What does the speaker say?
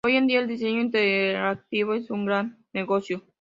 Hoy en día, el diseño interactivo es un gran negocio.